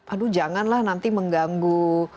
aduh janganlah nanti mengganggu